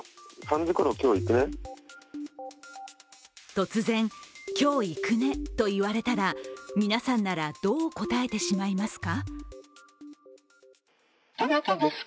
突然、今日行くねと言われたら皆さんなら、どう答えてしまいますか？